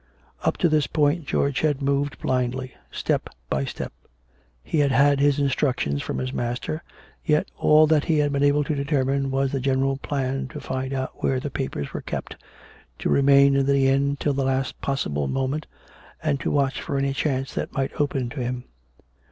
Up to this point George had moved blindly, step by step. He had had his instructions from his master, yet all that he had been able to determine was the general plan to find out where the papers were kept, to remain in the inn till the last pos'sible moment, and to watch for any chance that might open to him.